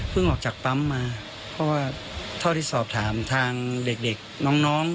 เพราะว่าถ้าหากสอบถามทางเด็กน้อง